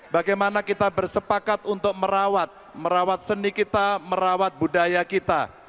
bagaimana kita bersepakat untuk merawat merawat seni kita merawat budaya kita